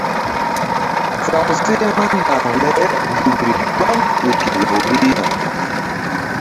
Sa̧wseh vba naŋ le nzukri gbam ƴo ke law rihna.